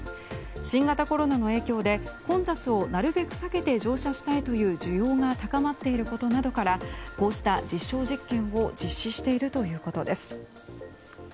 新型コロナの影響で混雑をなるべく避けて乗車したいという需要が高まっていることなどからこうした実証実験を実施しているということです。